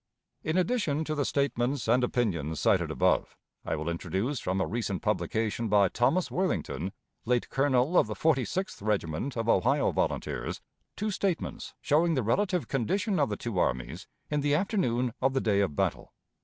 In addition to the statements and opinions cited above, I will introduce from a recent publication by Thomas Worthington, late colonel of the Forty sixth Regiment of Ohio Volunteers, two statements showing the relative condition of the two armies in the afternoon of the day of battle.